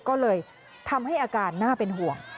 ก็เลยทำให้อาการน่าเป็นห่วง